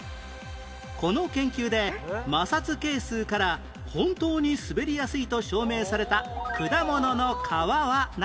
この研究で摩擦係数から本当に滑りやすいと証明された果物の皮は何？